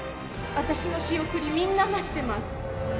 私の仕送りみんな待ってます